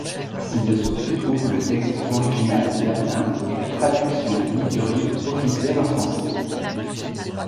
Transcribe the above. Ci-dessous se trouvent le texte original latin et la traduction liturgique officielle en français.